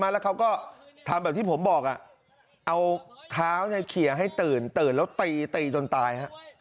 แล้วเขาก็ทำแบบที่ผมบอกเอาเท้าเขียให้ตื่นตื่นแล้วตีตีจนตาย